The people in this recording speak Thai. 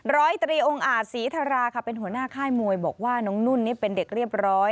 ร้อยตรีองค์อาจศรีธาราค่ะเป็นหัวหน้าค่ายมวยบอกว่าน้องนุ่นนี่เป็นเด็กเรียบร้อย